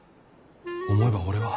思えば俺は。